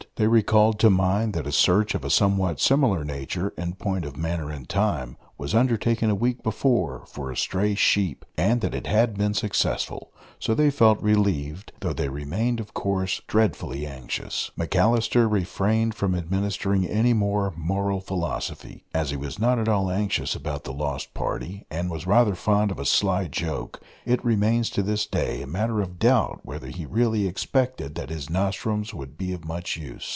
They recalled to mind that a search of a somewhat similar nature, in point of manner and time, was undertaken a week before for a stray sheep, and that it had been successful; so they felt relieved, though they remained, of course, dreadfully anxious. McAllister refrained from administering any more moral philosophy. As he was not at all anxious about the lost party, and was rather fond of a sly joke, it remains to this day a matter of doubt whether he really expected that his nostrums would be of much use.